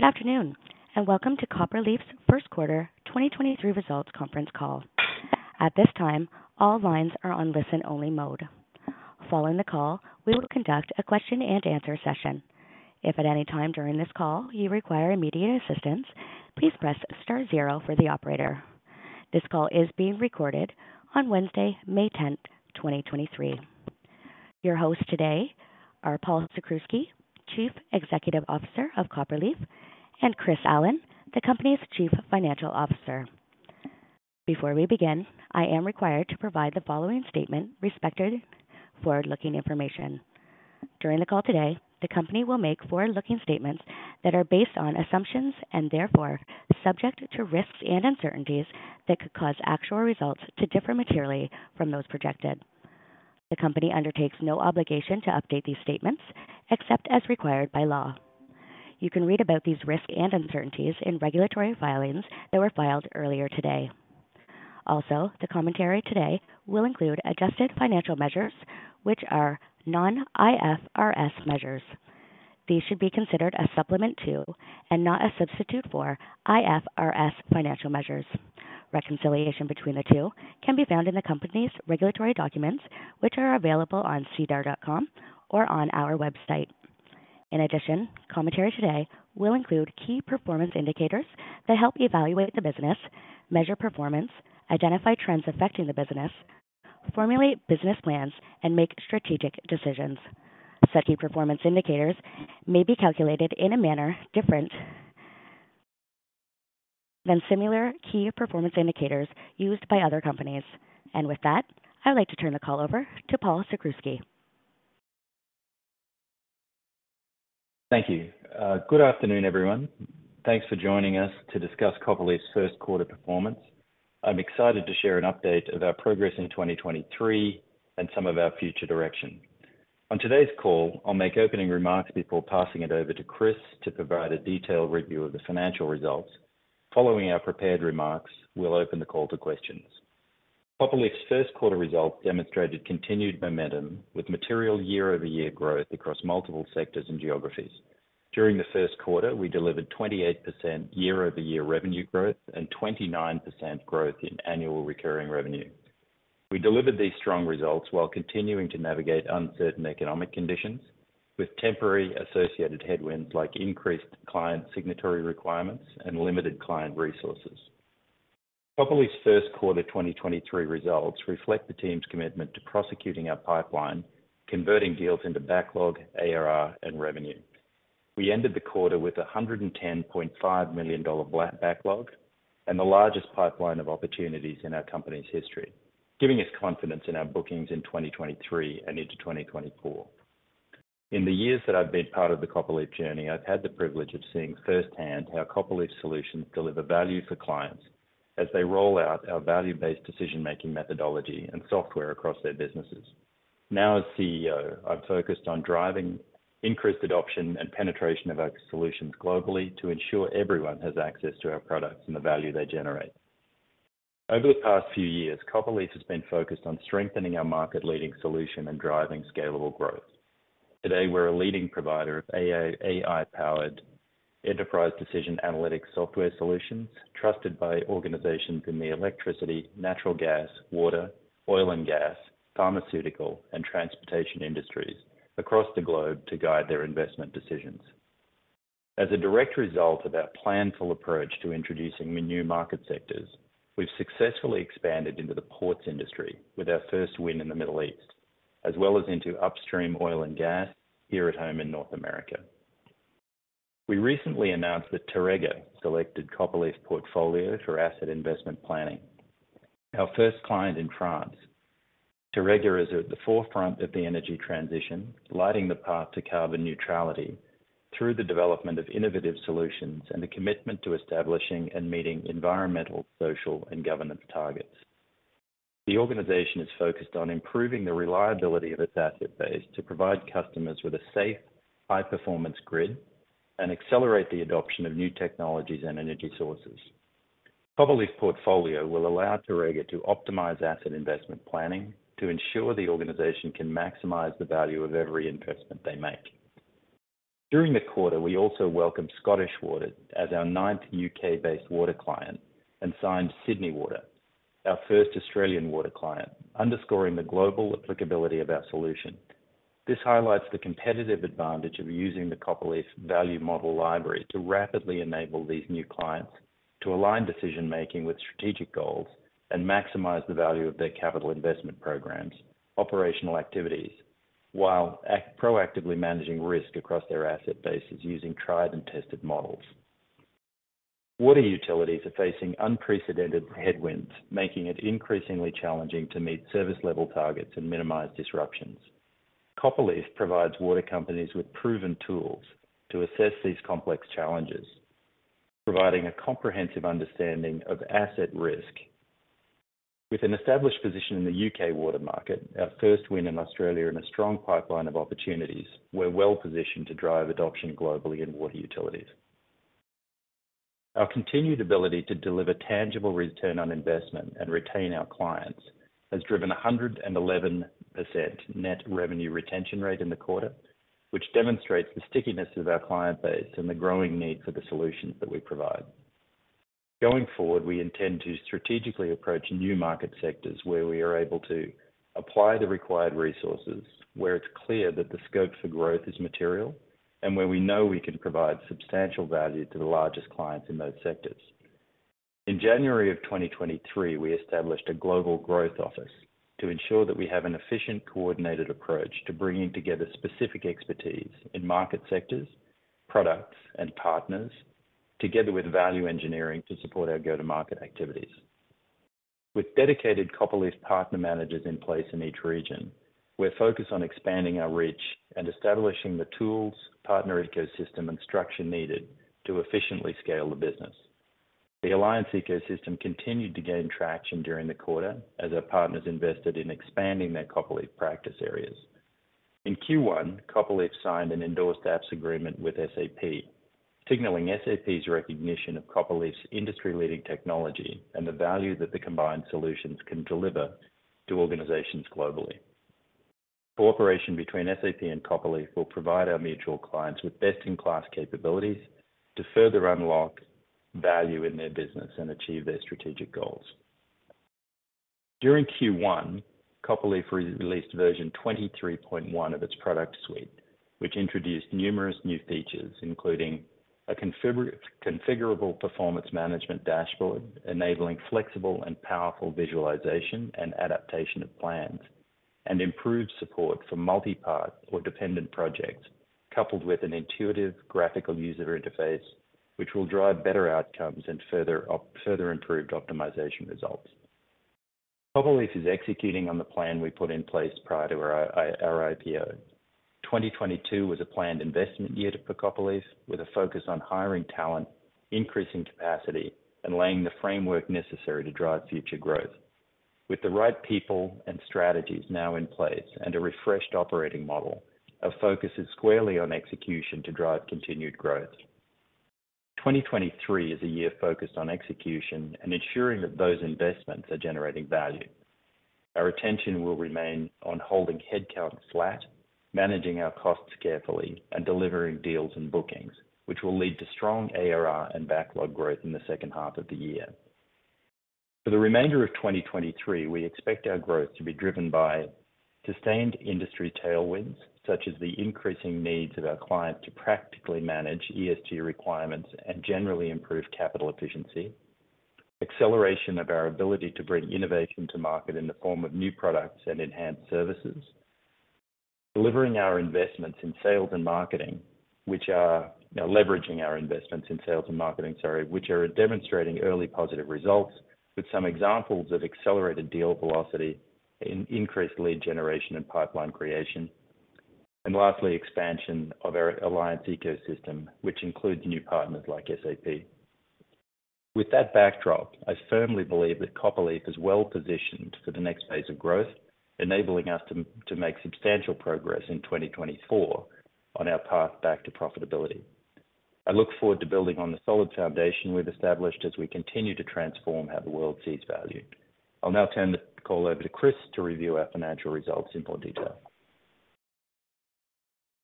Good afternoon, and welcome to Copperleaf's First Quarter 2023 Results Conference Call. At this time, all lines are on listen only mode. Following the call, we will conduct a question and answer session. If at any time during this call you require immediate assistance, please press star zero for the operator. This call is being recorded on Wednesday, May 10th, 2023. Your hosts today are Paul Sakrzewski, Chief Executive Officer of Copperleaf, and Chris Allen, the company's Chief Financial Officer. Before we begin, I am required to provide the following statement respected forward-looking information. During the call today, the company will make forward-looking statements that are based on assumptions and therefore subjected to risks and uncertainties that could cause actual results to differ materially from those projected. The company undertakes no obligation to update these statements except as required by law. You can read about these risks and uncertainties in regulatory filings that were filed earlier today. The commentary today will include Adjusted financial measures, which are non-IFRS measures. These should be considered as supplement to and not a substitute for IFRS financial measures. Reconciliation between the two can be found in the company's regulatory documents, which are available on sedar.com or on our website. Commentary today will include key performance indicators that help evaluate the business, measure performance, identify trends affecting the business, formulate business plans, and make strategic decisions. Such key performance indicators may be calculated in a manner different than similar key performance indicators used by other companies. With that, I'd like to turn the call over to Paul Sakrzewski. Thank you. Good afternoon, everyone. Thanks for joining us to discuss Copperleaf's first quarter performance. I'm excited to share an update of our progress in 2023 and some of our future direction. On today's call, I'll make opening remarks before passing it over to Chris to provide a detailed review of the financial results. Following our prepared remarks, we'll open the call to questions. Copperleaf's first quarter results demonstrated continued momentum with material year-over-year growth across multiple sectors and geographies. During the first quarter, we delivered 28% year-over-year revenue growth and 29% growth in annual recurring revenue. We delivered these strong results while continuing to navigate uncertain economic conditions with temporary associated headwinds, like increased client signatory requirements and limited client resources. Copperleaf's first quarter 2023 results reflect the team's commitment to prosecuting our pipeline, converting deals into backlog, ARR, and revenue. We ended the quarter with 110.5 million dollar backlog and the largest pipeline of opportunities in our company's history, giving us confidence in our bookings in 2023 and into 2024. In the years that I've been part of the Copperleaf journey, I've had the privilege of seeing firsthand how Copperleaf solutions deliver value for clients as they roll out our value-based decision making methodology and software across their businesses. Now, as CEO, I've focused on driving increased adoption and penetration of our solutions globally to ensure everyone has access to our products and the value they generate. Over the past few years, Copperleaf has been focused on strengthening our market-leading solution and driving scalable growth. Today, we're a leading provider of AI-powered enterprise decision analytics software solutions, trusted by organizations in the electricity, natural gas, water, oil and gas, pharmaceutical, and transportation industries across the globe to guide their investment decisions. As a direct result of our planful approach to introducing new market sectors, we've successfully expanded into the ports industry with our first win in the Middle East, as well as into upstream oil and gas here at home in North America. We recently announced that Teréga selected Copperleaf Portfolio for asset investment planning. Our first client in France, Teréga, is at the forefront of the energy transition, lighting the path to carbon neutrality through the development of innovative solutions and the commitment to establishing and meeting environmental, social, and governance targets. The organization is focused on improving the reliability of its asset base to provide customers with a safe, high-performance grid and accelerate the adoption of new technologies and energy sources. Copperleaf Portfolio will allow Teréga to optimize asset investment planning to ensure the organization can maximize the value of every investment they make. During the quarter, we also welcomed Scottish Water as our ninth UK-based water client and signed Sydney Water, our first Australian water client, underscoring the global applicability of our solution. This highlights the competitive advantage of using the Copperleaf Value Model Library to rapidly enable these new clients to align decision making with strategic goals and maximize the value of their capital investment programs operational activities while proactively managing risk across their asset bases using tried and tested models. Water utilities are facing unprecedented headwinds, making it increasingly challenging to meet service level targets and minimize disruptions. Copperleaf provides water companies with proven tools to assess these complex challenges, providing a comprehensive understanding of asset risk. With an established position in the UK water market, our first win in Australia, and a strong pipeline of opportunities, we're well-positioned to drive adoption globally in water utilities. Our continued ability to deliver tangible return on investment and retain our clients has driven a 111% Net Revenue Retention Rate in the quarter, which demonstrates the stickiness of our client base and the growing need for the solutions that we provide. Going forward, we intend to strategically approach new market sectors where we are able to apply the required resources, where it's clear that the scope for growth is material, and where we know we can provide substantial value to the largest clients in those sectors. In January of 2023, we established a Global Growth Office to ensure that we have an efficient, coordinated approach to bringing together specific expertise in market sectors, products, and partners, together with Value Engineering to support our go-to-market activities. With dedicated Copperleaf partner managers in place in each region, we're focused on expanding our reach and establishing the tools, partner ecosystem, and structure needed to efficiently scale the business. The alliance ecosystem continued to gain traction during the quarter as our partners invested in expanding their Copperleaf practice areas. In Q1, Copperleaf signed an Endorsed Apps agreement with SAP, signaling SAP's recognition of Copperleaf's industry-leading technology and the value that the combined solutions can deliver to organizations globally. Cooperation between SAP and Copperleaf will provide our mutual clients with best-in-class capabilities to further unlock value in their business and achieve their strategic goals. During Q1, Copperleaf released version 23.1 of its product suite, which introduced numerous new features, including a configurable performance management dashboard, enabling flexible and powerful visualization and adaptation of plans, and improved support for multi-part or dependent projects, coupled with an intuitive graphical user interface, which will drive better outcomes and further improved optimization results. Copperleaf is executing on the plan we put in place prior to our IPO. 2022 was a planned investment year for Copperleaf, with a focus on hiring talent, increasing capacity, and laying the framework necessary to drive future growth. With the right people and strategies now in place and a refreshed operating model, our focus is squarely on execution to drive continued growth. 2023 is a year focused on execution and ensuring that those investments are generating value. Our attention will remain on holding headcount flat, managing our costs carefully, and delivering deals and bookings, which will lead to strong ARR and backlog growth in the second half of the year. For the remainder of 2023, we expect our growth to be driven by sustained industry tailwinds, such as the increasing needs of our clients to practically manage ESG requirements and generally improve capital efficiency, acceleration of our ability to bring innovation to market in the form of new products and enhanced services, leveraging our investments in sales and marketing, which are demonstrating early positive results with some examples of accelerated deal velocity in increased lead generation and pipeline creation. Lastly, expansion of our alliance ecosystem, which includes new partners like SAP. With that backdrop, I firmly believe that Copperleaf is well-positioned for the next phase of growth, enabling us to make substantial progress in 2024 on our path back to profitability. I look forward to building on the solid foundation we've established as we continue to transform how the world sees value. I'll now turn the call over to Chris to review our financial results in more detail.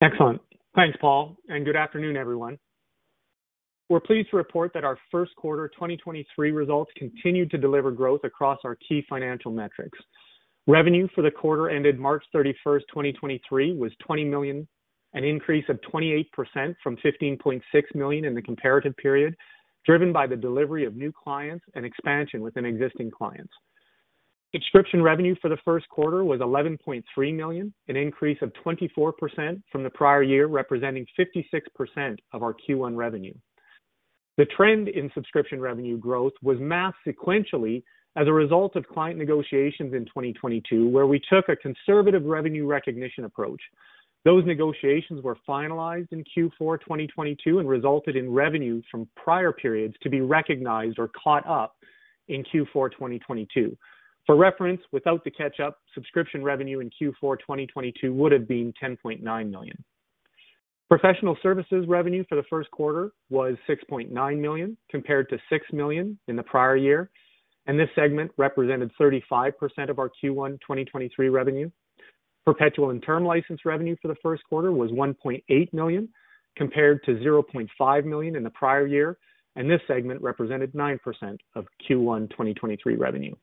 Excellent. Thanks, Paul, and good afternoon, everyone. We're pleased to report that our first quarter 2023 results continued to deliver growth across our key financial metrics. Revenue for the quarter ended March 31, 2023 was 20 million, an increase of 28% from 15.6 million in the comparative period, driven by the delivery of new clients and expansion within existing clients. Subscription revenue for the first quarter was 11.3 million, an increase of 24% from the prior year, representing 56% of our Q1 revenue. The trend in subscription revenue growth was masked sequentially as a result of client negotiations in 2022, where we took a conservative revenue recognition approach. Those negotiations were finalized in Q4 2022 and resulted in revenue from prior periods to be recognized or caught up in Q4 2022. For reference, without the catch-up, subscription revenue in Q4 2022 would have been 10.9 million. Professional services revenue for the first quarter was 6.9 million, compared to 6 million in the prior year. This segment represented 35% of our Q1 2023 revenue. Perpetual and term license revenue for the first quarter was 1.8 million, compared to 0.5 million in the prior year. This segment represented 9% of Q1 2023 revenue.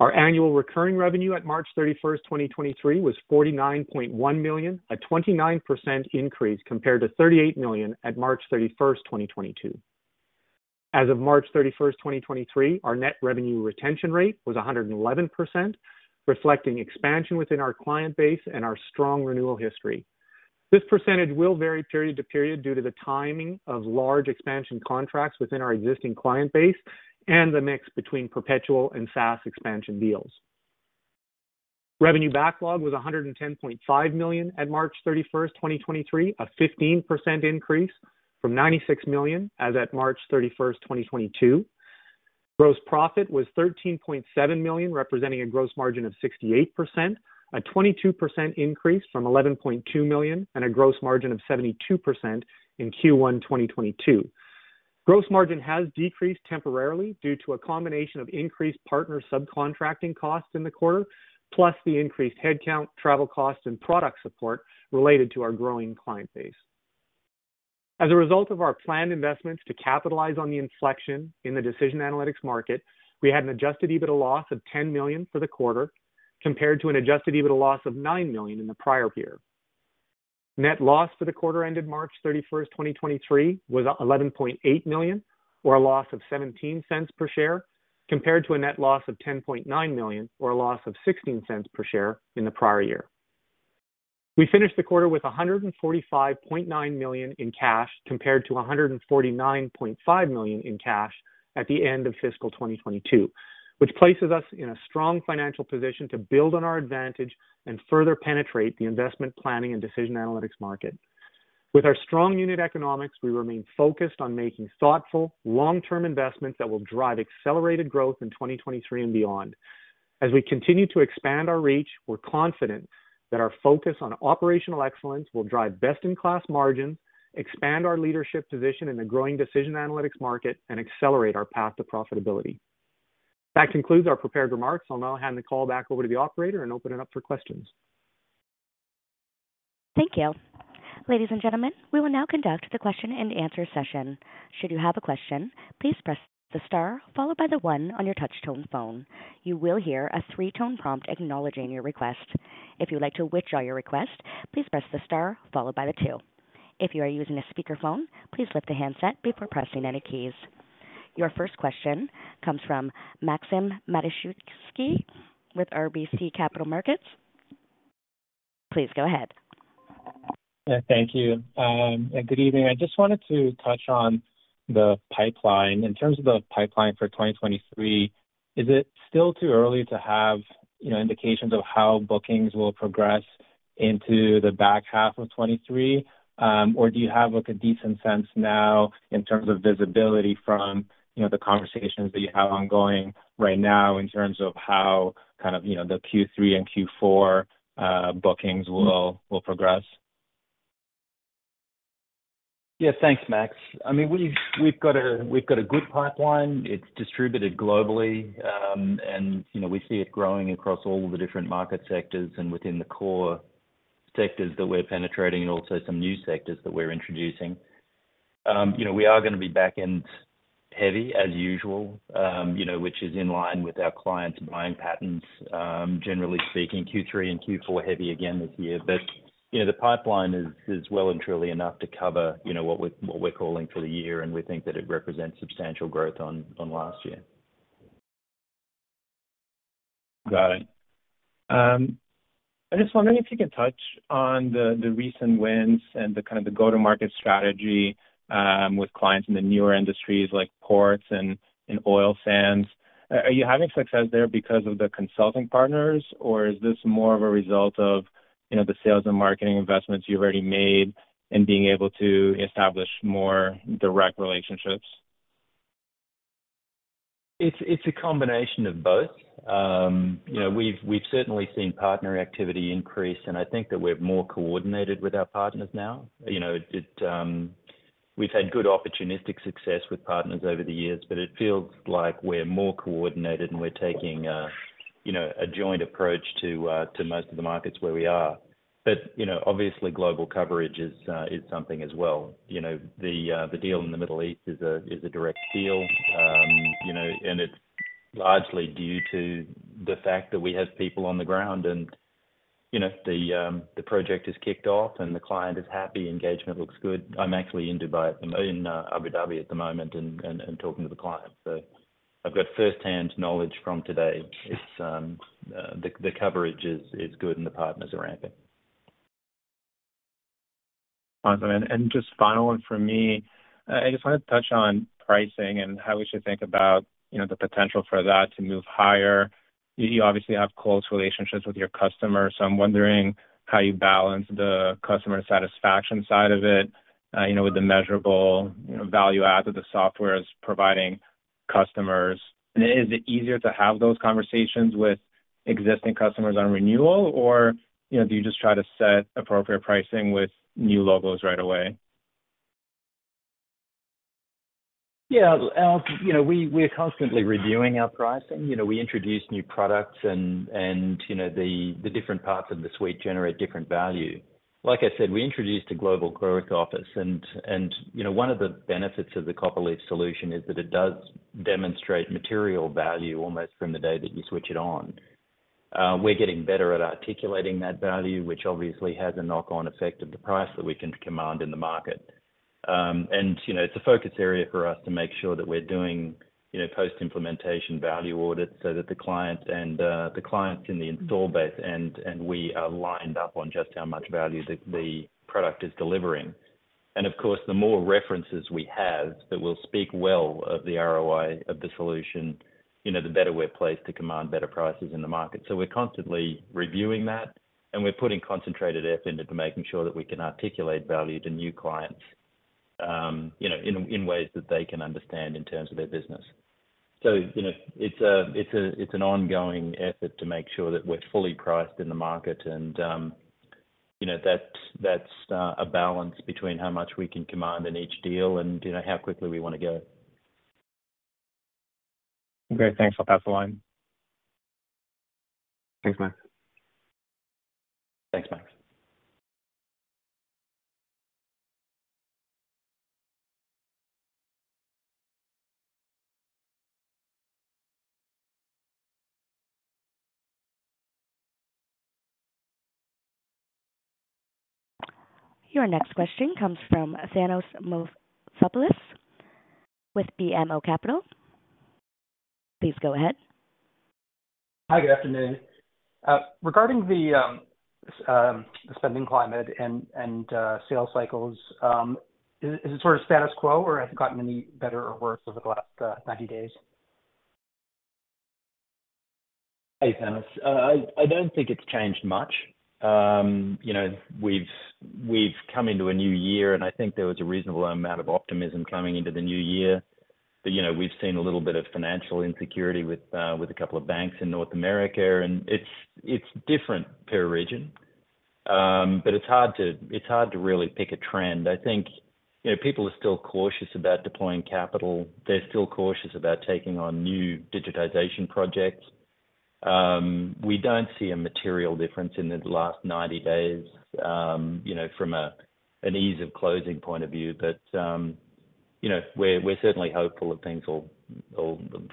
Our annual recurring revenue at March 31, 2023 was 49.1 million, a 29% increase compared to 38 million at March 31, 2022. As of March 31, 2023, our Net Revenue Retention Rate was 111%, reflecting expansion within our client base and our strong renewal history. This percentage will vary period to period due to the timing of large expansion contracts within our existing client base and the mix between perpetual and SaaS expansion deals. Revenue backlog was 110.5 million at March 31, 2023, a 15% increase from 96 million as at March 31, 2022. Gross profit was 13.7 million, representing a gross margin of 68%, a 22% increase from 11.2 million and a gross margin of 72% in Q1 2022. Gross margin has decreased temporarily due to a combination of increased partner subcontracting costs in the quarter, plus the increased headcount, travel costs, and product support related to our growing client base. As a result of our planned investments to capitalize on the inflection in the decision analytics market, we had an Adjusted EBITDA loss of 10 million for the quarter, compared to an Adjusted EBITDA loss of 9 million in the prior year. Net loss for the quarter ended March 31, 2023 was 11.8 million, or a loss of 0.17 per share, compared to a net loss of 10.9 million, or a loss of 0.16 per share in the prior year. We finished the quarter with 145.9 million in cash, compared to 149.5 million in cash at the end of fiscal 2022, which places us in a strong financial position to build on our advantage and further penetrate the investment planning and decision analytics market. With our strong unit economics, we remain focused on making thoughtful, long-term investments that will drive accelerated growth in 2023 and beyond. As we continue to expand our reach, we're confident that our focus on operational excellence will drive best-in-class margin, expand our leadership position in the growing decision analytics market, and accelerate our path to profitability. That concludes our prepared remarks. I'll now hand the call back over to the operator and open it up for questions. Thank you. Ladies and gentlemen, we will now conduct the question and answer session. Should you have a question, please press the star followed by the one on your touch tone phone. You will hear a three-tone prompt acknowledging your request. If you'd like to withdraw your request, please press the star followed by the two. If you are using a speakerphone, please lift the handset before pressing any keys. Your first question comes from Maxim Matushansky with RBC Capital Markets. Please go ahead. Yeah, thank you. Good evening. I just wanted to touch on the pipeline. In terms of the pipeline for 2023, is it still too early to have, you know, indications of how bookings will progress into the back half of 2023? Or do you have, like, a decent sense now in terms of visibility from, you know, the conversations that you have ongoing right now in terms of how kind of, you know, the Q3 and Q4 bookings will progress? Yeah. Thanks, Max. I mean, we've got a good pipeline. It's distributed globally, you know, we see it growing across all the different market sectors and within the core sectors that we're penetrating and also some new sectors that we're introducing. You know, we are gonna be back-end heavy as usual, you know, which is in line with our clients' buying patterns. Generally speaking, Q3 and Q4 heavy again this year. You know, the pipeline is well and truly enough to cover, you know, what we're calling for the year, and we think that it represents substantial growth on last year. Got it. I just wonder if you can touch on the recent wins and the kind of the go-to-market strategy, with clients in the newer industries like ports and oil sands. Are you having success there because of the consulting partners, or is this more of a result of, you know, the sales and marketing investments you've already made in being able to establish more direct relationships? It's a combination of both. You know, we've certainly seen partner activity increase, and I think that we're more coordinated with our partners now. You know, it, we've had good opportunistic success with partners over the years, but it feels like we're more coordinated and we're taking, you know, a joint approach to most of the markets where we are. You know, obviously global coverage is something as well. You know, the deal in the Middle East is a direct deal. You know, and it's largely due to the fact that we have people on the ground and, you know, the project is kicked off and the client is happy. Engagement looks good. I'm actually in Dubai at the in Abu Dhabi at the moment and talking to the client. I've got firsthand knowledge from today. It's the coverage is good and the partners are ramping. Awesome. Just final one from me, I just wanted to touch on pricing and how we should think about, you know, the potential for that to move higher. You obviously have close relationships with your customers, so I'm wondering how you balance the customer satisfaction side of it, you know, with the measurable, you know, value add that the software is providing customers. Is it easier to have those conversations with existing customers on renewal? You know, do you just try to set appropriate pricing with new logos right away? Yeah. You know, we are constantly reviewing our pricing. You know, we introduce new products and, you know, the different parts of the suite generate different value. Like I said, we introduced a Global Growth Office and, you know, one of the benefits of the Copperleaf solution is that it does demonstrate material value almost from the day that you switch it on. We're getting better at articulating that value, which obviously has a knock-on effect of the price that we can command in the market. You know, it's a focus area for us to make sure that we're doing, you know, post-implementation value audits so that the client and the clients in the install base and we are lined up on just how much value the product is delivering. Of course, the more references we have that will speak well of the ROI of the solution. You know, the better we're placed to command better prices in the market. We're constantly reviewing that, and we're putting concentrated effort into making sure that we can articulate value to new clients, you know, in ways that they can understand in terms of their business. You know, it's an ongoing effort to make sure that we're fully priced in the market. You know, that's a balance between how much we can command in each deal and, you know, how quickly we wanna go. Okay. Thanks. I'll pass the line. Thanks, Max. Thanks, Max. Your next question comes from Thanos Moschopoulos with BMO Capital Markets. Please go ahead. Hi, good afternoon. Regarding the spending climate and sales cycles, is it sort of status quo, or has it gotten any better or worse over the last 90 days? Hey, Thanos. I don't think it's changed much. You know, we've come into a new year, and I think there was a reasonable amount of optimism coming into the new year. You know, we've seen a little bit of financial insecurity with a couple of banks in North America, and it's different per region. It's hard to really pick a trend. I think, you know, people are still cautious about deploying capital. They're still cautious about taking on new digitization projects. We don't see a material difference in the last 90 days, you know, from an ease of closing point of view. You know, we're certainly hopeful that things will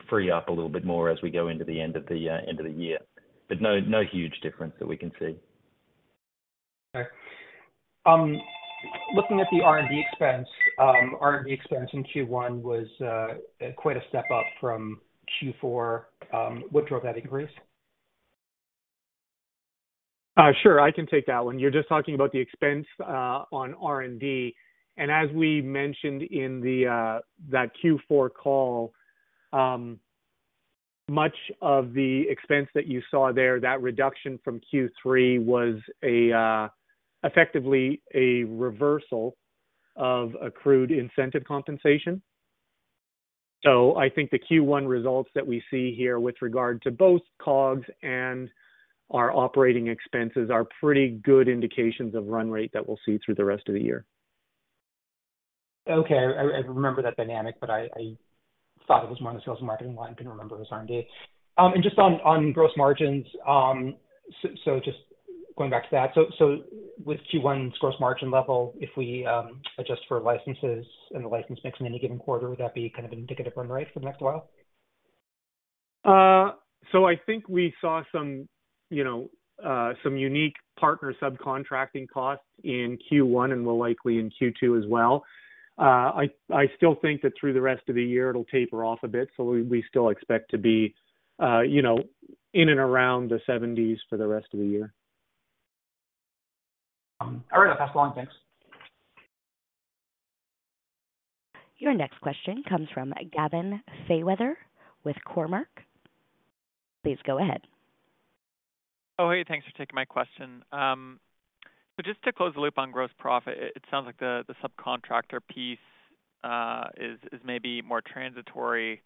free up a little bit more as we go into the end of the year. No, no huge difference that we can see. Looking at the R&D expense, R&D expense in Q1 was quite a step up from Q4. What drove that increase? Sure. I can take that one. You're just talking about the expense on R&D. As we mentioned in the that Q4 call, much of the expense that you saw there, that reduction from Q3 was a effectively a reversal of accrued incentive compensation. I think the Q1 results that we see here with regard to both COGS and our operating expenses are pretty good indications of run rate that we'll see through the rest of the year. Okay. I remember that dynamic, but I thought it was more on the sales and marketing line, couldn't remember it was R&D. Just on gross margins, just going back to that, with Q1's gross margin level, if we adjust for licenses and the license mix in any given quarter, would that be kind of an indicative run rate for the next while? I think we saw some, you know, unique partner subcontracting costs in Q1 and more likely in Q2 as well. I still think that through the rest of the year it'll taper off a bit. We still expect to be, you know, in and around the seventies for the rest of the year. All right. I'll pass along. Thanks. Your next question comes from Gavin Fairweather with Cormark. Please go ahead. Oh, hey, thanks for taking my question. Just to close the loop on gross profit, it sounds like the subcontractor piece is maybe more transitory-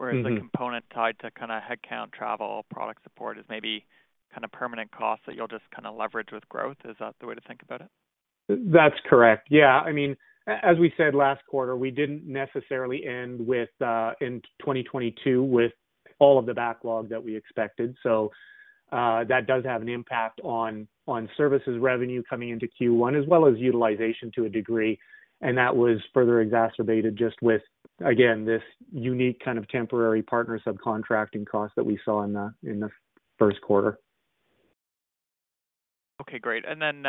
Mm-hmm. The component tied to kinda headcount, travel, product support is maybe kind of permanent costs that you'll just kinda leverage with growth. Is that the way to think about it? That's correct. I mean, as we said last quarter, we didn't necessarily end with in 2022 with all of the backlog that we expected. That does have an impact on services revenue coming into Q1 as well as utilization to a degree. That was further exacerbated just with, again, this unique kind of temporary partner subcontracting cost that we saw in the, in the first quarter. Okay, great. Then,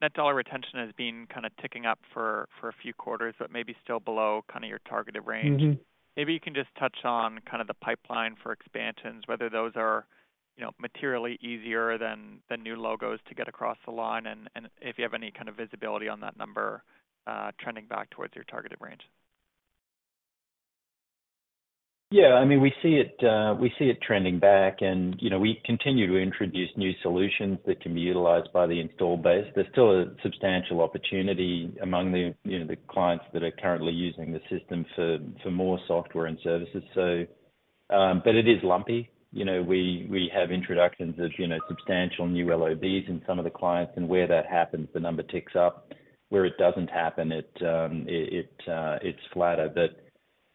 Net Dollar Retention has been kinda ticking up for a few quarters, but maybe still below kinda your targeted range. Mm-hmm. Maybe you can just touch on kind of the pipeline for expansions, whether those are, you know, materially easier than new logos to get across the line, and if you have any kind of visibility on that number trending back towards your targeted range. Yeah. I mean, we see it, we see it trending back and, you know, we continue to introduce new solutions that can be utilized by the installed base. There's still a substantial opportunity among the, you know, the clients that are currently using the system for more software and services. But it is lumpy. You know, we have introductions of, you know, substantial new LOBs in some of the clients, and where that happens, the number ticks up. Where it doesn't happen, it's flatter.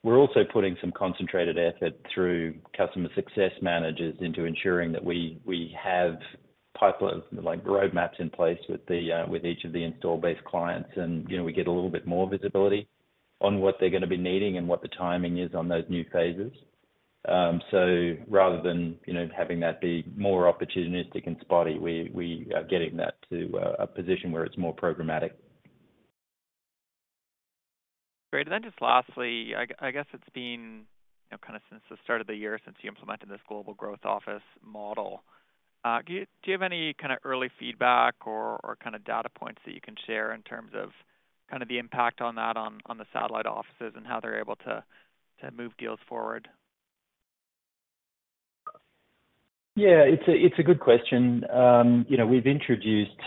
We're also putting some concentrated effort through customer success managers into ensuring that we have pipeline, like, roadmaps in place with the with each of the installed base clients. you know, we get a little bit more visibility on what they're gonna be needing and what the timing is on those new phases. rather than, you know, having that be more opportunistic and spotty, we are getting that to a position where it's more programmatic. Great. just lastly, I guess it's been, you know, kinda since the start of the year since you implemented this Global Growth Office model Do you have any kind of early feedback or kind of data points that you can share in terms of kind of the impact on that on the satellite offices and how they're able to move deals forward? Yeah, it's a good question. You know, we've introduced,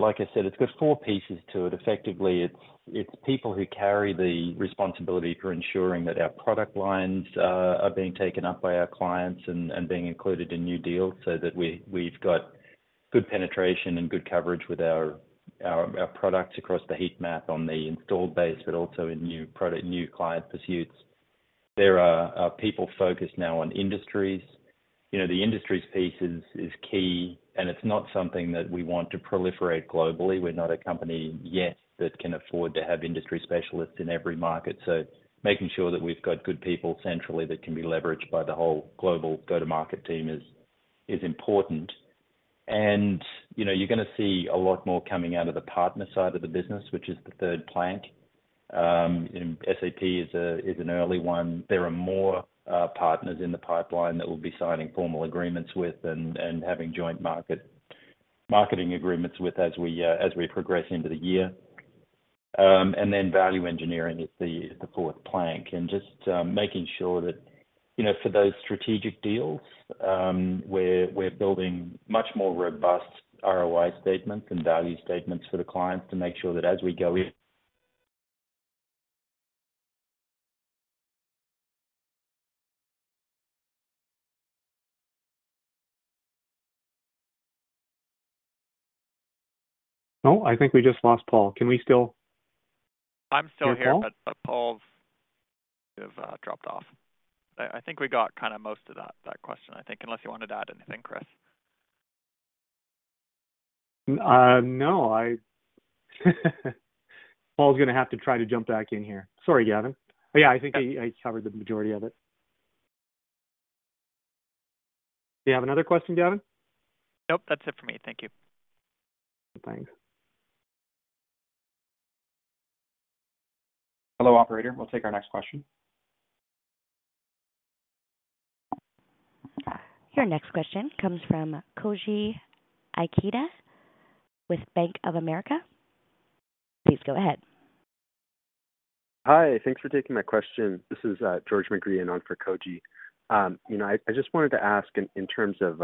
like I said, it's got four pieces to it. Effectively, it's people who carry the responsibility for ensuring that our product lines are being taken up by our clients and being included in new deals so that we've got good penetration and good coverage with our products across the heat map on the installed base, but also in new product, new client pursuits. There are people focused now on industries. You know, the industries piece is key. It's not something that we want to proliferate globally. We're not a company yet that can afford to have industry specialists in every market. Making sure that we've got good people centrally that can be leveraged by the whole global go-to-market team is important. You know, you're gonna see a lot more coming out of the partner side of the business, which is the third plank. SAP is an early one. There are more partners in the pipeline that we'll be signing formal agreements with and having joint market-marketing agreements with as we progress into the year. Then value engineering is the fourth plank. Just making sure that, you know, for those strategic deals, we're building much more robust ROI statements and value statements for the clients to make sure that as we go in… No, I think we just lost Paul. Can we still- I'm still here. You're Paul? Paul's kind of, dropped off. I think we got kind of most of that question, I think, unless you wanted to add anything, Chris. No. Paul's gonna have to try to jump back in here. Sorry, Gavin. Yeah, I think I covered the majority of it. Do you have another question, Gavin? Nope. That's it for me. Thank you. Thanks. Hello, operator. We'll take our next question. Your next question comes from Koji Ikeda with Bank of America. Please go ahead. Hi. Thanks for taking my question. This is George McGreehan on for Koji. You know, I just wanted to ask in terms of,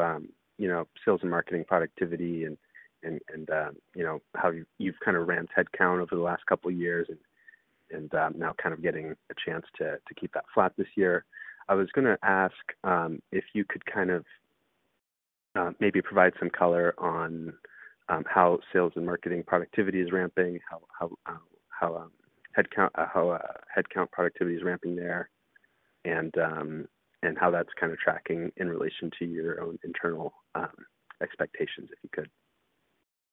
you know, sales and marketing productivity and, you know, how you've kind of ramped headcount over the last couple years and now kind of getting a chance to keep that flat this year. I was going to ask if you could kind of maybe provide some color on how sales and marketing productivity is ramping, how headcount productivity is ramping there and how that's kind of tracking in relation to your own internal expectations, if you could?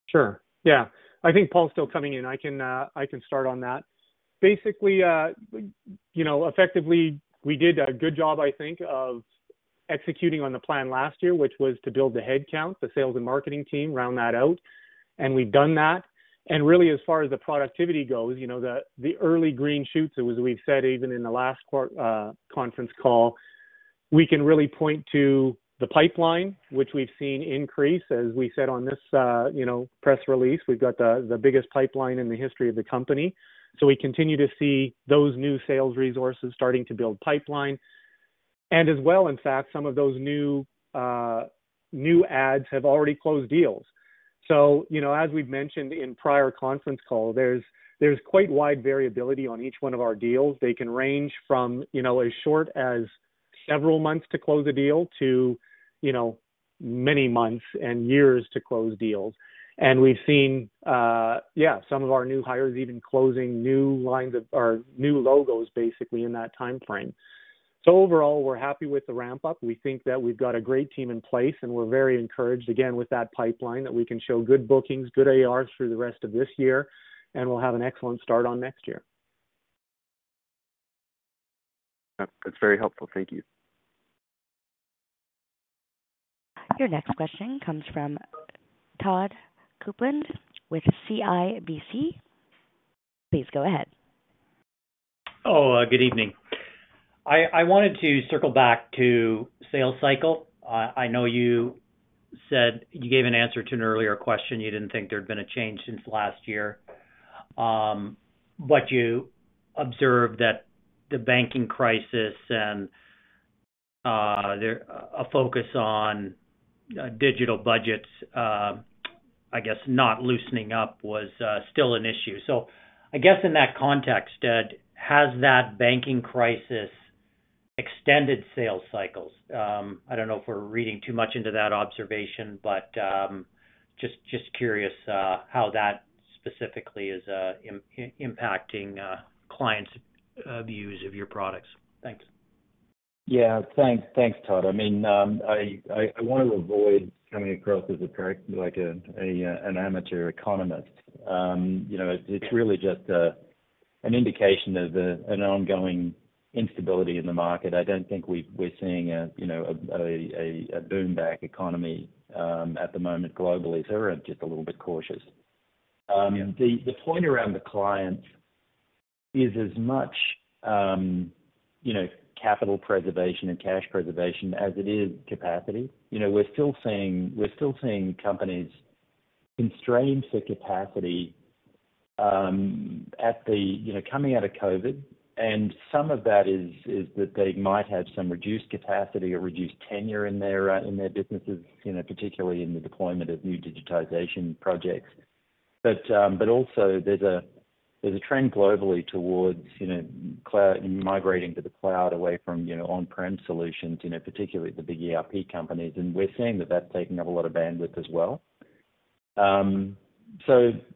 Sure, yeah. I think Paul's still coming in. I can start on that. Basically, you know, effectively, we did a good job, I think, of executing on the plan last year, which was to build the headcount, the sales and marketing team, round that out, and we've done that. Really, as far as the productivity goes, you know, the early green shoots, it was we've said even in the last conference call, we can really point to the pipeline, which we've seen increase. We said on this, you know, press release, we've got the biggest pipeline in the history of the company. We continue to see those new sales resources starting to build pipeline. As well, in fact, some of those new ads have already closed deals. You know, as we've mentioned in prior conference call, there's quite wide variability on each one of our deals. They can range from, you know, as short as several months to close a deal to, you know, many months and years to close deals. We've seen, yeah, some of our new hires even closing new logos basically in that timeframe. Overall, we're happy with the ramp-up. We think that we've got a great team in place, and we're very encouraged again with that pipeline that we can show good bookings, good ARR through the rest of this year, and we'll have an excellent start on next year. That's very helpful. Thank you. Your next question comes from Todd Coupland with CIBC. Please go ahead. Good evening. I wanted to circle back to sales cycle. I know you gave an answer to an earlier question. You didn't think there'd been a change since last year. You observed that the banking crisis and a focus on digital budgets, I guess, not loosening up was still an issue. I guess in that context, has that banking crisis extended sales cycles? I don't know if we're reading too much into that observation, but just curious how that specifically is impacting clients' views of your products. Thanks. Yeah. Thanks. Thanks, Todd. I mean, I wanna avoid coming across as like an amateur economist. You know, it's really just an indication of an ongoing instability in the market. I don't think we're seeing a, you know, a boom back economy at the moment globally. We're just a little bit cautious. The point around the clients is as much, you know, capital preservation and cash preservation as it is capacity. You know, we're still seeing companies constrain their capacity, you know, coming out of COVID. Some of that is that they might have some reduced capacity or reduced tenure in their businesses, you know, particularly in the deployment of new digitization projects. Also there's a trend globally towards, you know, migrating to the cloud away from, you know, on-prem solutions, you know, particularly the big ERP companies. We're seeing that that's taking up a lot of bandwidth as well.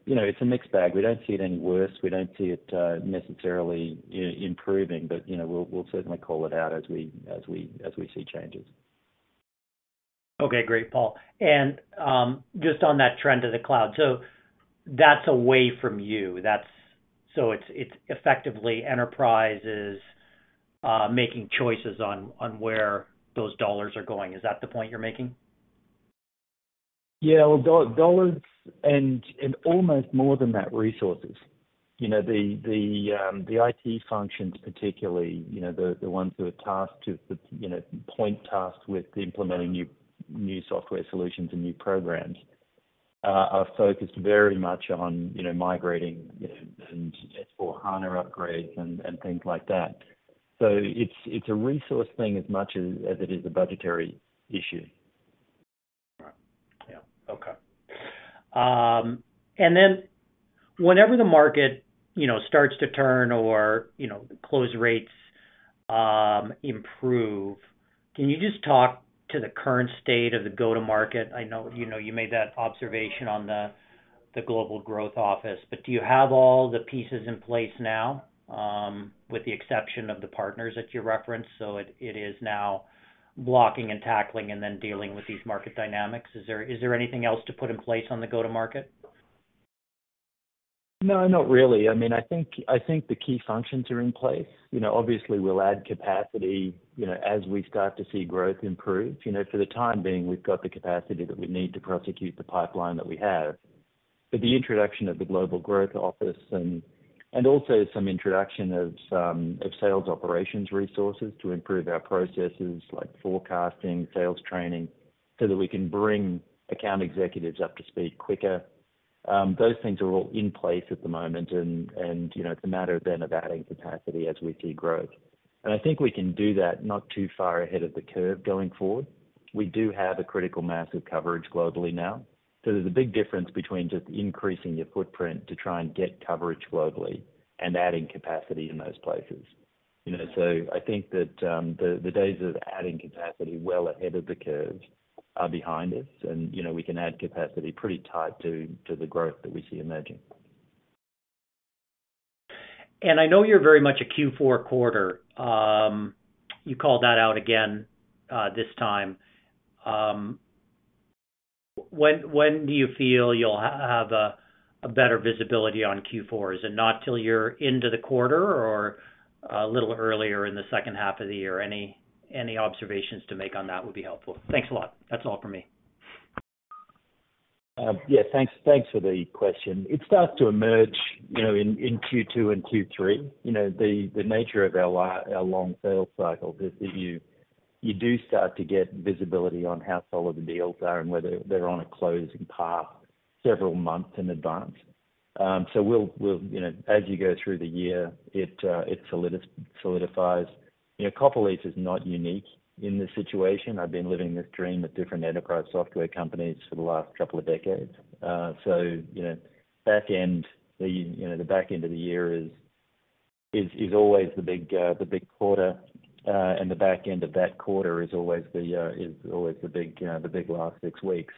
You know, it's a mixed bag. We don't see it any worse. We don't see it necessarily improving, but, you know, we'll certainly call it out as we see changes. Okay, great, Paul. Just on that trend to the cloud. That's away from you. It's effectively enterprises, making choices on where those dollars are going. Is that the point you're making? Well, dollars and almost more than that, resources. You know, the IT functions, particularly, you know, the ones who are tasked to, you know, point tasked with implementing new software solutions and new programs, are focused very much on, you know, migrating, you know, S/4HANA upgrades and things like that. It's a resource thing as much as it is a budgetary issue. Right. Yeah. Okay. Whenever the market, you know, starts to turn or, you know, close rates improve, can you just talk to the current state of the go-to-market? I know, you know, you made that observation on the Global Growth Office, but do you have all the pieces in place now with the exception of the partners that you referenced, so it is now blocking and tackling and then dealing with these market dynamics? Is there anything else to put in place on the go-to-market? No, not really. I mean, I think the key functions are in place. You know, obviously we'll add capacity, you know, as we start to see growth improve. You know, for the time being, we've got the capacity that we need to prosecute the pipeline that we have. The introduction of the Global Growth Office and also some introduction of sales operations resources to improve our processes like forecasting, sales training, so that we can bring account executives up to speed quicker. Those things are all in place at the moment. It's a matter then of adding capacity as we see growth. I think we can do that not too far ahead of the curve going forward. We do have a critical mass of coverage globally now. There's a big difference between just increasing your footprint to try and get coverage globally and adding capacity in those places. You know, I think that the days of adding capacity well ahead of the curve are behind us. You know, we can add capacity pretty tight to the growth that we see emerging. I know you're very much a Q4 quarter. You called that out again this time. When do you feel you'll have a better visibility on Q4? Is it not till you're into the quarter or a little earlier in the second half of the year? Any observations to make on that would be helpful. Thanks a lot. That's all for me. Yeah, thanks for the question. It starts to emerge, you know, in Q2 and Q3. You know, the nature of our long sales cycle is that you do start to get visibility on how solid the deals are and whether they're on a closing path several months in advance. We'll, we'll, you know, as you go through the year, it solidifies. You know, Copperleaf is not unique in this situation. I've been living this dream at different enterprise software companies for the last couple of decades. You know, back end, the, you know, the back end of the year is always the big, the big quarter. The back end of that quarter is always the, is always the big, the big last six weeks.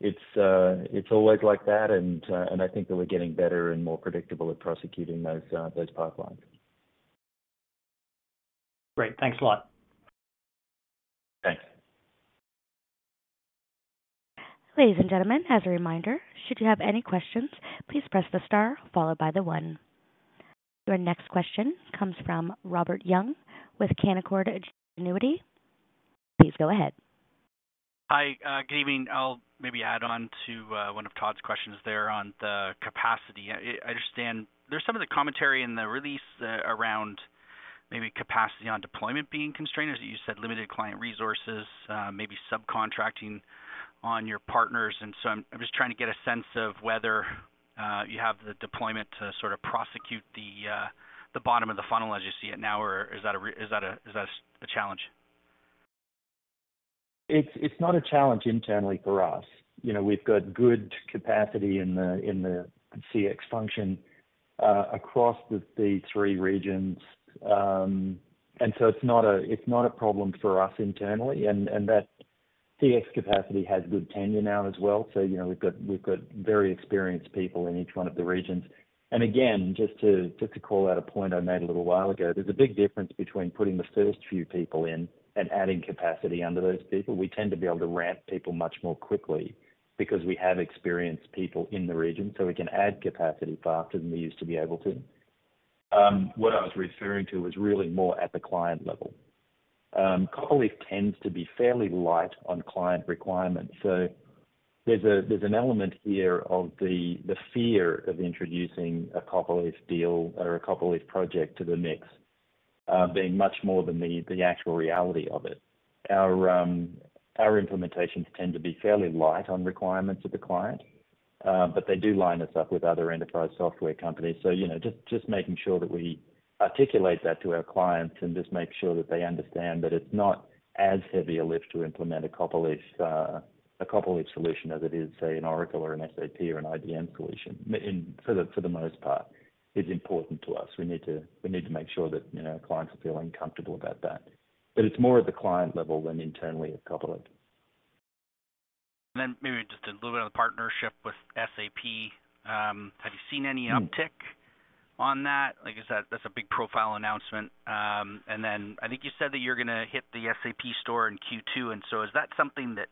It's, it's always like that. I think that we're getting better and more predictable at prosecuting those pipelines. Great. Thanks a lot. Thanks. Ladies and gentlemen, as a reminder, should you have any questions, please press the star followed by the one. Your next question comes from Robert Young with Canaccord Genuity. Please go ahead. Hi. Good evening. I'll maybe add on to one of Todd's questions there on the capacity. I understand there's some of the commentary in the release, around maybe capacity on deployment being constrained, or you said limited client resources, maybe subcontracting on your partners. I'm just trying to get a sense of whether you have the deployment to sort of prosecute the bottom of the funnel as you see it now, or is that a challenge? It's not a challenge internally for us. You know, we've got good capacity in the CX function across the 3 regions. It's not a problem for us internally. And that CX capacity has good tenure now as well. You know, we've got very experienced people in each one of the regions. And again, just to call out a point I made a little while ago, there's a big difference between putting the first few people in and adding capacity under those people. We tend to be able to ramp people much more quickly because we have experienced people in the region, we can add capacity faster than we used to be able to. What I was referring to was really more at the client level. Copperleaf tends to be fairly light on client requirements. There's an element here of the fear of introducing a Copperleaf deal or a Copperleaf project to the mix, being much more than the actual reality of it. Our implementations tend to be fairly light on requirements of the client, they do line us up with other enterprise software companies. You know, just making sure that we articulate that to our clients and just make sure that they understand that it's not as heavy a lift to implement a Copperleaf solution as it is, say, an Oracle or an SAP or an IBM solution for the most part, is important to us. We need to make sure that, you know, clients are feeling comfortable about that. It's more at the client level than internally at Copperleaf. Maybe just a little bit on the partnership with SAP. Have you seen any uptick on that? Like I said, that's a big profile announcement. I think you said that you're gonna hit the SAP Store in Q2. Is that something that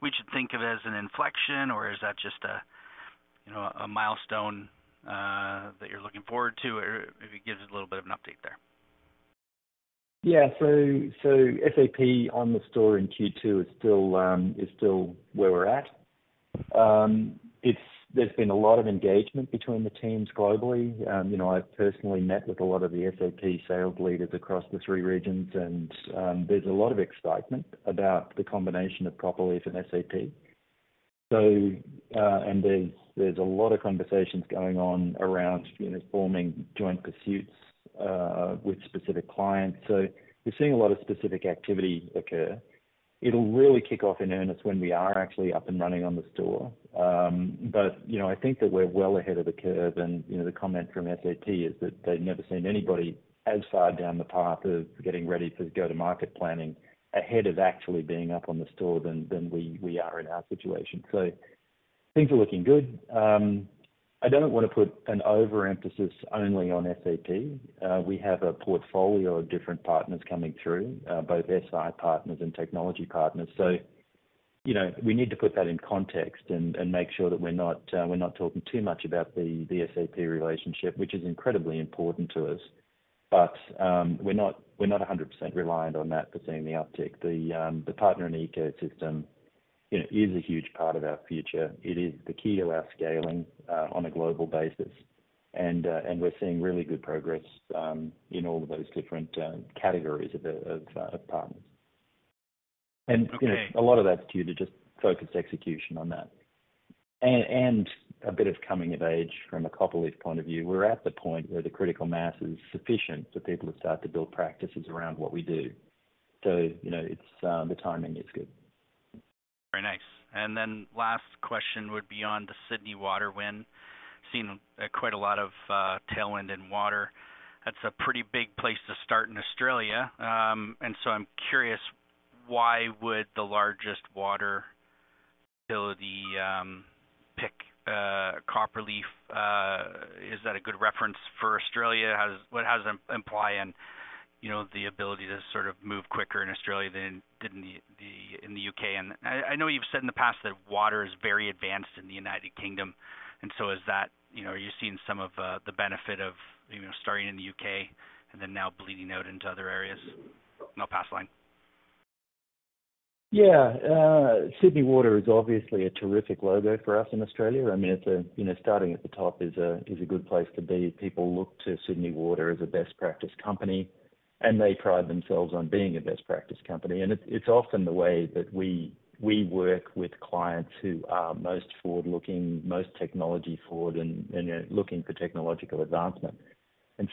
we should think of as an inflection, or is that just a, you know, a milestone that you're looking forward to? Or maybe give us a little bit of an update there. Yeah. SAP on the store in Q2 is still where we're at. There's been a lot of engagement between the teams globally. You know, I've personally met with a lot of the SAP sales leaders across the three regions, and there's a lot of excitement about the combination of Copperleaf and SAP. And there's a lot of conversations going on around, you know, forming joint pursuits with specific clients. We're seeing a lot of specific activity occur. It'll really kick off in earnest when we are actually up and running on the store. You know, I think that we're well ahead of the curve. You know, the comment from SAP is that they've never seen anybody as far down the path of getting ready for go-to-market planning ahead of actually being up on the store than we are in our situation. Things are looking good. I don't wanna put an overemphasis only on SAP. We have a portfolio of different partners coming through, both SI partners and technology partners. You know, we need to put that in context and make sure that we're not talking too much about the SAP relationship, which is incredibly important to us, but we're not 100% reliant on that for seeing the uptick. The partner and ecosystem, you know, is a huge part of our future. It is the key to our scaling on a global basis. We're seeing really good progress in all of those different categories of the, of partners. Okay. You know, a lot of that's due to just focused execution on that. A bit of coming of age from a Copperleaf point of view. We're at the point where the critical mass is sufficient for people to start to build practices around what we do. You know, it's, the timing is good. Very nice. Last question would be on the Sydney Water win. Seen quite a lot of tailwind in water. That's a pretty big place to start in Australia. I'm curious, why would the largest water utility pick Copperleaf? Is that a good reference for Australia? How does it imply in, you know, the ability to sort of move quicker in Australia than in the UK? I know you've said in the past that water is very advanced in the United Kingdom. Is that, you know, are you seeing some of the benefit of, you know, starting in the UK and then now bleeding out into other areas? I'll pass the line. Sydney Water is obviously a terrific logo for us in Australia. I mean, it's a, you know, starting at the top is a, is a good place to be. People look to Sydney Water as a best practice company. They pride themselves on being a best practice company. It's often the way that we work with clients who are most forward-looking, most technology forward and, you know, looking for technological advancement.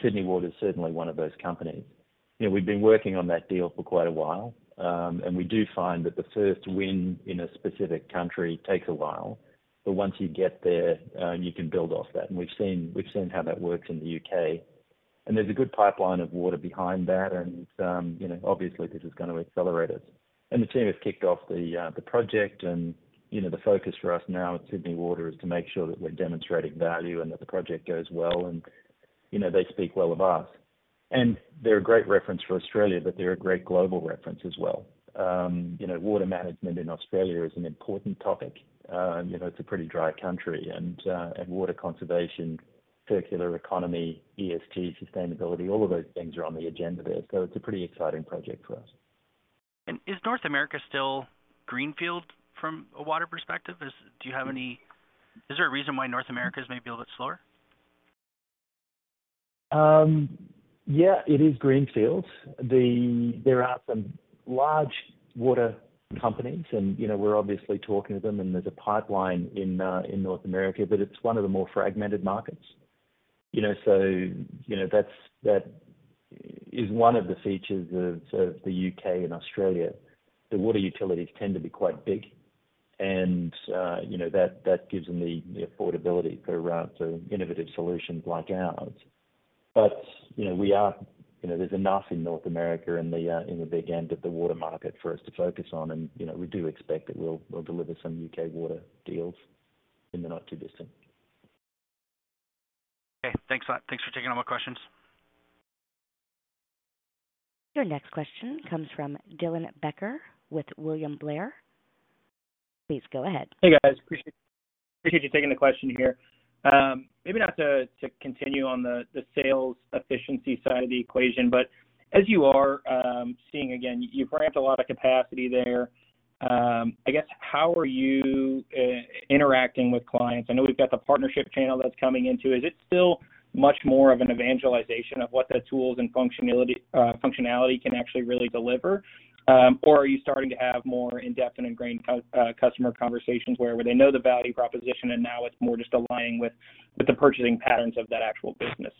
Sydney Water is certainly one of those companies. You know, we've been working on that deal for quite a while. We do find that the first win in a specific country takes a while, but once you get there, you can build off that. We've seen, we've seen how that works in the UK. There's a good pipeline of water behind that. You know, obviously this is gonna accelerate it. The team has kicked off the project. You know, the focus for us now at Sydney Water is to make sure that we're demonstrating value and that the project goes well. You know, they speak well of us. They're a great reference for Australia, but they're a great global reference as well. You know, water management in Australia is an important topic. You know, it's a pretty dry country and water conservation, circular economy, ESG, sustainability, all of those things are on the agenda there. It's a pretty exciting project for us. Is North America still greenfield from a water perspective? Is there a reason why North America is maybe a bit slower? Yeah, it is greenfield. There are some large water companies and, you know, we're obviously talking to them and there's a pipeline in North America, but it's one of the more fragmented markets. You know, so, you know, that is one of the features of the U.K. and Australia. The water utilities tend to be quite big and, you know, that gives them the affordability to go out to innovative solutions like ours. You know, we are, you know, there's enough in North America in the big end of the water market for us to focus on. You know, we do expect that we'll deliver some U.K. water deals in the not too distant. Okay. Thanks a lot. Thanks for taking all my questions. Your next question comes from Dylan Becker with William Blair. Please go ahead. Hey, guys. Appreciate you taking the question here. Maybe not to continue on the sales efficiency side of the equation, but as you are seeing again, you've ramped a lot of capacity there. I guess how are you interacting with clients? I know we've got the partnership channel that's coming into. Is it still much more of an evangelization of what the tools and functionality can actually really deliver? Or are you starting to have more in-depth and ingrained customer conversations where they know the value proposition and now it's more just aligning with the purchasing patterns of that actual business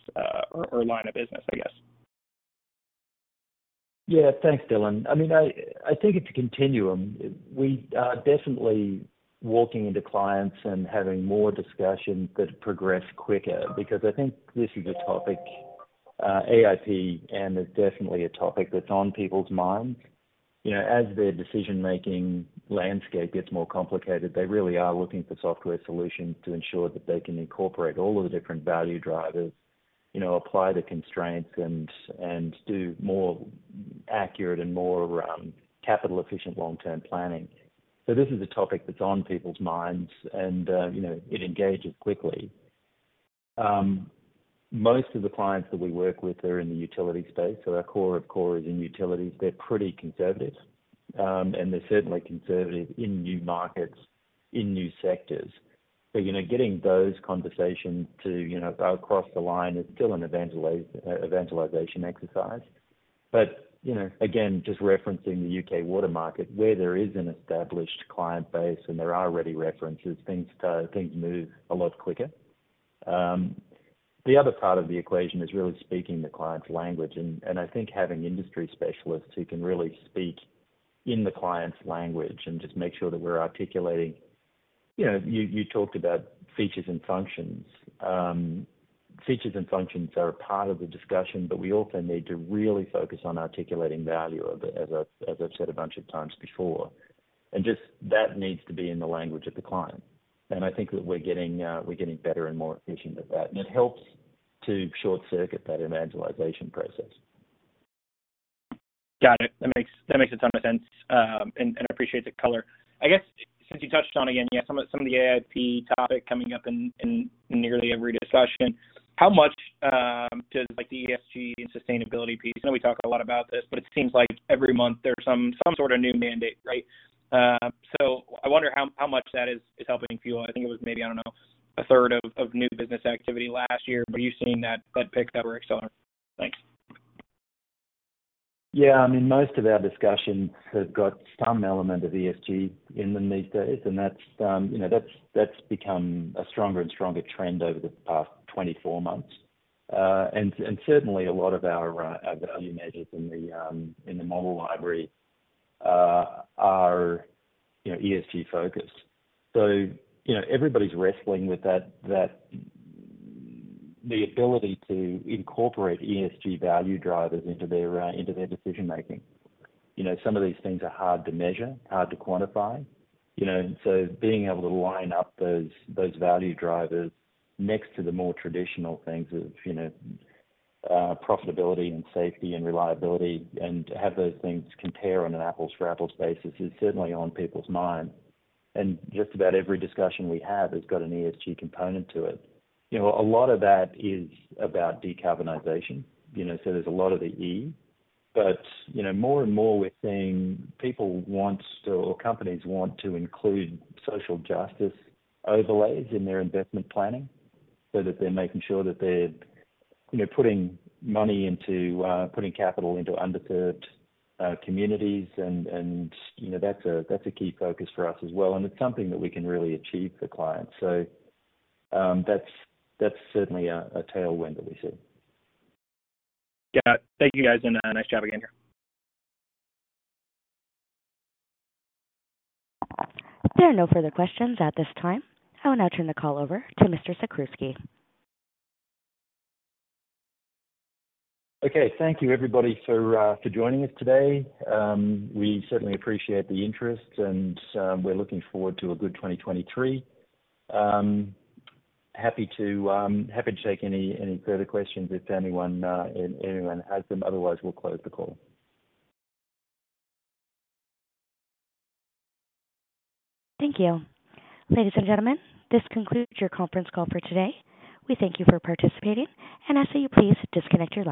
or line of business, I guess? Thanks, Dylan. I mean, I take it to continuum. We are definitely walking into clients and having more discussions that progress quicker because I think this is a topic, AIP, and it's definitely a topic that's on people's minds. You know, as their decision-making landscape gets more complicated, they really are looking for software solutions to ensure that they can incorporate all of the different value drivers, you know, apply the constraints and do more accurate and more capital efficient long-term planning. This is a topic that's on people's minds and, you know, it engages quickly. Most of the clients that we work with are in the utility space, our core of core is in utilities. They're pretty conservative, and they're certainly conservative in new markets, in new sectors. You know, getting those conversations to, you know, go across the line is still an evangelization exercise. You know, again, just referencing the U.K. water market, where there is an established client base and there are ready references, things move a lot quicker. The other part of the equation is really speaking the client's language. I think having industry specialists who can really speak in the client's language and just make sure that we're articulating... You know, you talked about features and functions. Features and functions are a part of the discussion, but we also need to really focus on articulating value, as I've said a bunch of times before. Just that needs to be in the language of the client. I think that we're getting better and more efficient at that, and it helps to short-circuit that evangelization process. Got it. That makes a ton of sense, appreciate the color. I guess since you touched on, again, some of the AIP topic coming up in nearly every discussion. How much does like the ESG and sustainability piece, I know we talk a lot about this, but it seems like every month there's some sort of new mandate, right? I wonder how much that is helping fuel. I think it was maybe, I don't know, a third of new business activity last year. Are you seeing that pick up or accelerate? Thanks. Yeah. I mean, most of our discussions have got some element of ESG in them these days, and that's, you know, that's become a stronger and stronger trend over the past 24 months. And certainly a lot of our value measures in the, in the model library, are, you know, ESG focused. So, you know, everybody's wrestling with that the ability to incorporate ESG value drivers into their, into their decision making. You know, some of these things are hard to measure, hard to quantify, you know, so being able to line up those value drivers next to the more traditional things of, you know, profitability and safety and reliability, and to have those things compare on an apples-for-apples basis is certainly on people's mind. Just about every discussion we have has got an ESG component to it. You know, a lot of that is about decarbonization, you know. There's a lot of the E. You know, more and more we're seeing people want or companies want to include social justice overlays in their investment planning so that they're making sure that they're, you know, putting money into, putting capital into underserved communities. You know, that's a, that's a key focus for us as well, and it's something that we can really achieve for clients. That's, that's certainly a tailwind that we see. Yeah. Thank you, guys, and nice job again here. There are no further questions at this time. I will now turn the call over to Mr. Zakrzewski. Okay. Thank you everybody for joining us today. We certainly appreciate the interest and we're looking forward to a good 2023. Happy to take any further questions if anyone has them. Otherwise, we'll close the call. Thank you. Ladies and gentlemen, this concludes your conference call for today. We thank you for participating and ask that you please disconnect your lines.